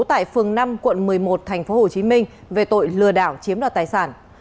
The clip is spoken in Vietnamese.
tại phường năm quận một mươi một tp hcm về tội lừa đảo chiếm đoạt tài sản